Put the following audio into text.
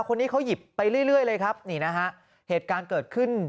คนนี้เขาหยิบไปเรื่อยเลยครับนี่นะฮะเหตุการณ์เกิดขึ้น